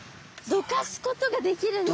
どかすことができるんですね